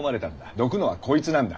どくのはこいつなんだ。